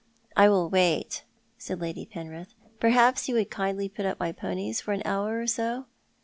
"I will wait," said Lady Penrith. "Perhaps you would kindly put up my ponies for an hour or so."